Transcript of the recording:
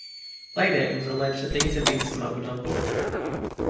Later it was alleged that these had been smuggled on board.